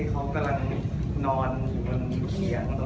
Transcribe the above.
เปลี่ยนใจ